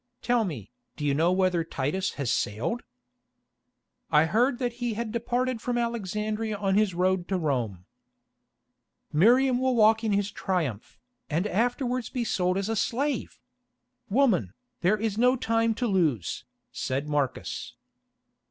"Tell me, do you know whether Titus has sailed?" "I heard that he had departed from Alexandria on his road to Rome." "Miriam will walk in his Triumph, and afterwards be sold as a slave! Woman, there is no time to lose," said Marcus.